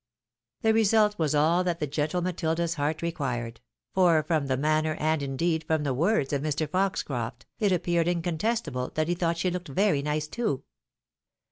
The result was all that the gentle Matilda's heart required ; for, from the manner, and indeed, from the words of Mr. Fox croft, it appeared incontestable that he thought she looked very nice too.